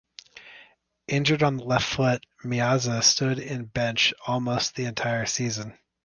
Injured on the left foot Meazza stood in bench almost the entire season.